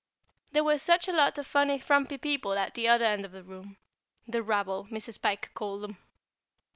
There were such a lot of funny frumpy people at the other end of the room "the rabble," Mrs. Pike called them.